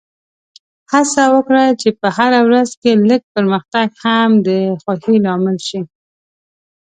هڅه وکړه چې په هره ورځ کې لږ پرمختګ هم د خوښۍ لامل شي.